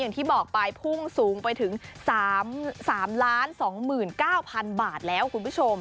อย่างที่บอกไปพุ่งสูงไปถึง๓๒๙๐๐๐บาทแล้วคุณผู้ชม